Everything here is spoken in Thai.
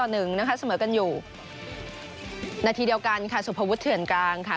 นาทีเดียวกันค่ะสุภวุฒิเถื่อนกลางค่ะ